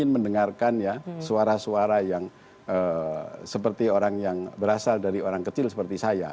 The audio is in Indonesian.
mendengarkan ya suara suara yang seperti orang yang berasal dari orang kecil seperti saya